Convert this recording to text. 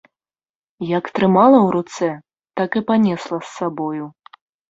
Як трымала ў руцэ, так і панесла з сабою.